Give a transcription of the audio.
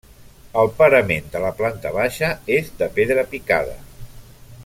El parament de la planta baixa és de pedra picada.